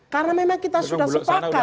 karena memang kita sudah sepakat